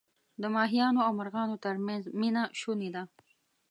د ماهیانو او مرغانو ترمنځ مینه شوني ده.